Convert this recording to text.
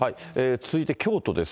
続いて京都です。